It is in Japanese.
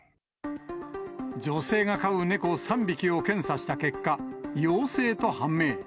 女性が飼う猫３匹を検査した結果、陽性と判明。